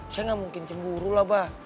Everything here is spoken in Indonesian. saya nggak mungkin cemburu lah bah